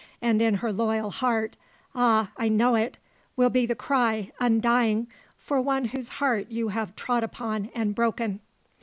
And in her loyal heart ah, I know it will be the cry, undying, for one whose heart you have trod upon and broken!"